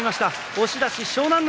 押し出し、湘南乃